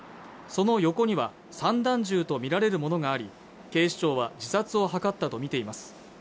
その横には散弾銃と見られるものがあり警視庁は自殺を図ったとみています